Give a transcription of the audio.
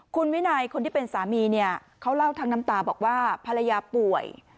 คุณวินัยคนที่เป็นสามีเนี่ยเขาเล่าทั้งน้ำตาบอกว่าภรรยาป่วย